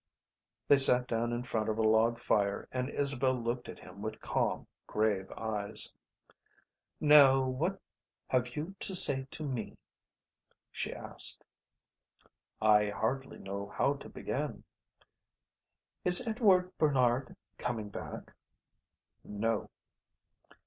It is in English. They sat down in front of a log fire and Isabel looked at him with calm grave eyes. "Now what have you to say to me?" she asked. "I hardly know how to begin." "Is Edward Barnard coming back?" "No."